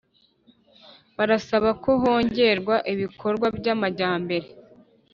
Barasaba ko hongerwa ibikorwa by’ amajyambere